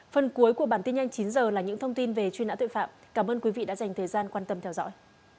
phần cuối của bản tin nhanh chín h là những thông tin về truy nã tội phạm cảm ơn quý vị đã dành thời gian quan tâm theo dõi